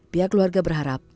pihak keluarga berharap